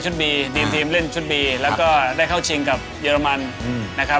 บีทีมเล่นชุดบีแล้วก็ได้เข้าชิงกับเยอรมันนะครับ